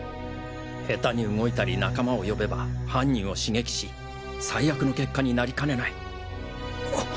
下手に動いたり仲間を呼べば犯人を刺激し最悪の結果になりかねない。